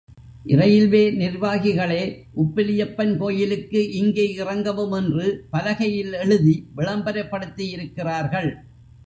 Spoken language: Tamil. இரயில்வே நிர்வாகிகளே உப்பிலியப்பன் கோயிலுக்கு இங்கே இறங்கவும் என்று பலகையில் எழுதி விளம்பரப்படுத்தி யிருக்கிறார்கள்.